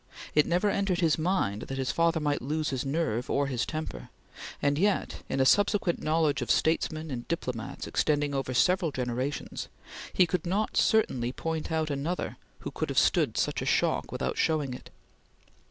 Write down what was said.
It never entered his mind that his father might lose his nerve or his temper, and yet in a subsequent knowledge of statesmen and diplomats extending over several generations, he could not certainly point out another who could have stood such a shock without showing it.